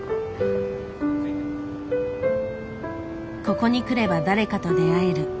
ここに来れば誰かと出会える。